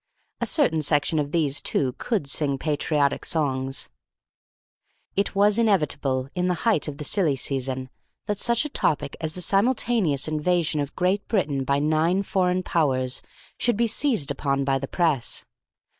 A certain section of these, too, could sing patriotic songs. It was inevitable, in the height of the Silly Season, that such a topic as the simultaneous invasion of Great Britain by nine foreign powers should be seized upon by the press.